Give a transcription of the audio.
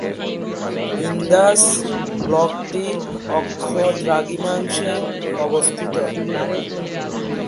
ইন্দাস ব্লকটি অক্ষ-দ্রাঘিমাংশে অবস্থিত।